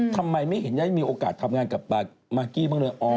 ทำไมไม่เห็นได้มีโอกาสทำงานกับมากกี้บ้างเลย